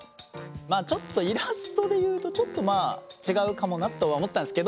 まあちょっとイラストでいうとちょっとまあ違うかもなとは思ったんですけど。